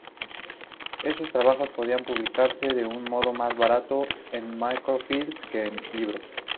Esos trabajos podían publicarse de un modo más barato en microfilm que como libros.